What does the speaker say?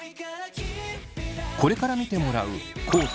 これから見てもらう地